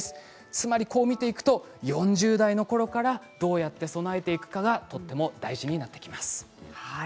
つまり、こう見ていくと４０代のころからどうやって備えていくかがとても大事になってきます。